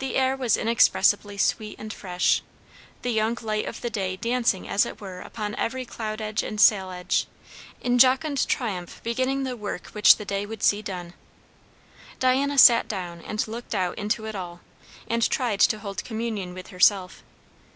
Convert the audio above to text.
The air was inexpressibly sweet and fresh; the young light of the day dancing as it were upon every cloud edge and sail edge, in jocund triumph beginning the work which the day would see done. Diana sat down and looked out into it all, and tried to hold communion with herself.